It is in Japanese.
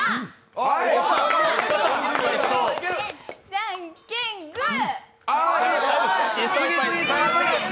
じゃんけん、グー！